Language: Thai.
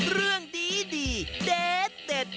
เรื่องดีดีเด็ดเด็ด